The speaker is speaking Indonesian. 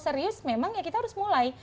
kalau kita mau serius memang ya kita harus mulai